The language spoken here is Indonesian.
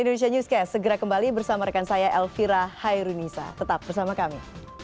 indonesia newscast segera kembali bersama rekan saya elvira hairunisa tetap bersama kami